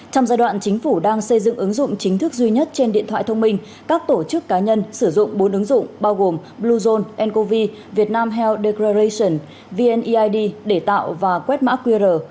trong giai đoạn chính phủ đang xây dựng ứng dụng chính thức duy nhất trên điện thoại thông minh các tổ chức cá nhân sử dụng bốn ứng dụng bao gồm bluezone ncov việt nam healthegration vneid để tạo và quét mã qr